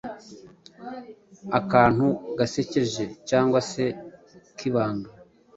akantu gasekeje cg se k’ibanga